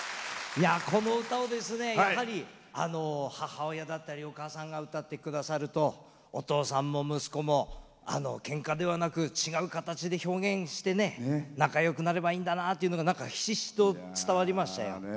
この歌を母親だったりお母さんが歌ってくださるとお父さんも息子もけんかではなく違う形で表現して仲よくなればいいんだなというのがひしひしと伝わりましたよ。